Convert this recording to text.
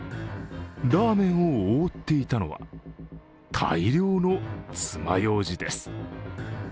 ラーメンを覆っていたのは大量の爪ようじです。